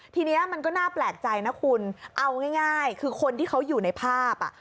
ทีนี้มันก็น่าแปลกใจนะคุณเอาง่ายคือคนที่เขาอยู่ในภาพอ่ะ